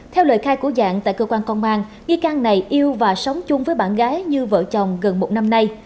theo lời khai của dạng tại cơ quan công an nghi can này yêu và sống chung với bạn gái như vợ chồng gần một năm nay